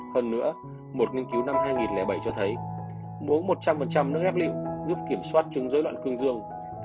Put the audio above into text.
hơn nữa một nghiên cứu năm hai nghìn bảy cho thấy muốn một trăm linh nước ép lị giúp kiểm soát chúng dối loạn cương dương